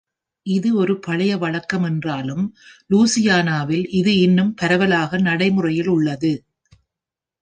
இது ஒரு பழைய வழக்கம் என்றாலும், லூசியானாவில் இது இன்னும் பரவலாக நடைமுறையில் உள்ளது.